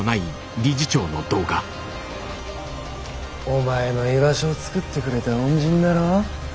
お前の居場所を作ってくれた恩人だろ。